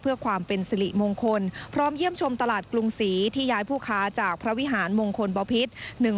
เพื่อความเป็นสิริมงคลพร้อมเยี่ยมชมตลาดกรุงศรีที่ย้ายผู้ค้าจากพระวิหารมงคลบพิษ